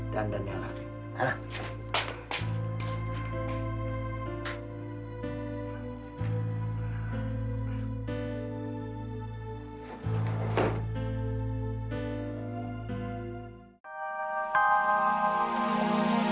dan dan yang lain